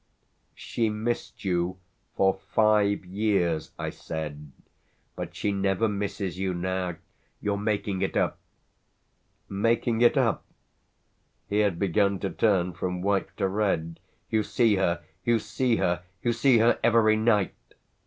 "She missed you for five years," I said, "but she never misses you now. You're making it up!" "Making it up?" He had begun to turn from white to red. "You see her you see her: you see her every night!"